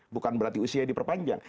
bukan berarti usia diperpanjang